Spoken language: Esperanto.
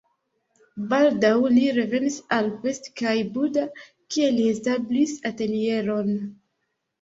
Baldaŭ li revenis al Pest kaj Buda, kie li establis atelieron.